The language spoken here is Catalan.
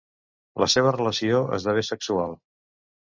La seva relació esdevé sexual.